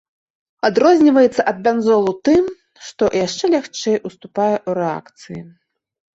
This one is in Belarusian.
Адрозніваецца ад бензолу тым, што яшчэ лягчэй уступае ў рэакцыі.